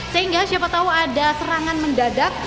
sehingga siapa tahu ada serangan mendadak